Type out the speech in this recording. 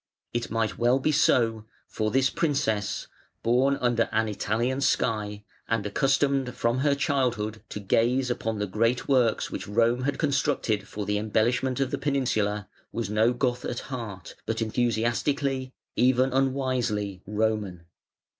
It might well be so, for this princess, born under an Italian sky, and accustomed from her childhood to gaze upon the great works which Rome had constructed for the embellishment of the peninsula, was no Goth at heart, but enthusiastically, even unwisely, Roman.